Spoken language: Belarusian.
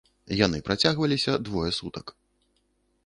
Яны працягваліся двое сутак.